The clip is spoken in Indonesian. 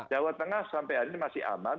jawa tengah sampai hari ini masih aman